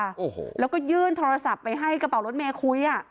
โอ้โหแล้วก็ยื่นโทรศัพท์ไปให้กระเป๋ารถเมย์คุยอ่ะ